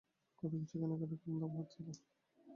কত কিছু কেনা-কাটার কাম বাদ আছে।